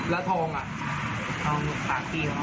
และทองอ่ะ